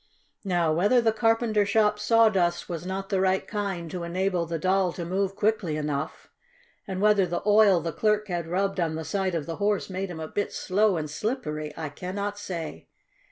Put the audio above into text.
Now whether the carpenter shop sawdust was not the right kind to enable the Doll to move quickly enough, and whether the oil the clerk had rubbed on the side of the Horse made him a bit slow and slippery, I cannot say.